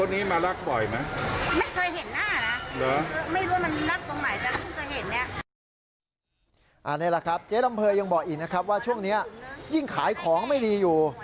นี่แหละครับเจ๊ลำเภยยังบอกอีกนะครับว่าช่วงนี้ยิ่งขายของไม่ดีอยู่